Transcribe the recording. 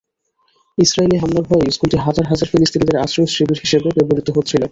Israeli হামলার ভয়ে স্কুলটি হাজার হাজার ফিলিস্তিনিদের আশ্রয় শিবির হিসেবে ব্যবহূত হচ্ছিল।